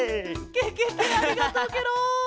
ケケケありがとうケロ！